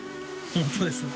本当ですね。